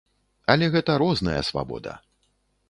Але гэта розная свабода.